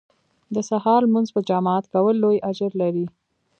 د سهار لمونځ په جماعت کول لوی اجر لري